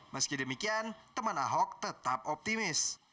meski demikian teman ahok tetap optimis